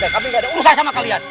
kami gak ada urusan sama kalian